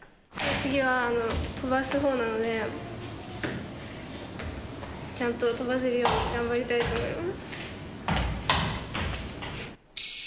次は跳ばすほうなので、ちゃんと跳ばせるように、頑張りたいと思います。